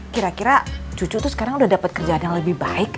kira kira cucu tuh sekarang udah dapat kerjaan yang lebih baik